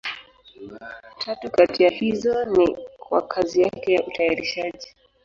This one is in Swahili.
Tatu kati ya hizo ni kwa kazi yake ya utayarishaji.